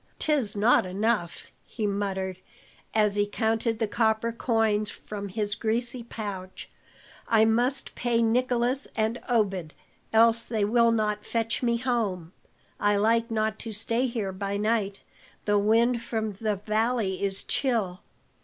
"'Tis not enough," he muttered, as he counted the copper coins from his greasy pouch. "I must pay Nicolas and Obed, else they will not fetch me home; I like not to stay here by night, the wind from the valley is chill."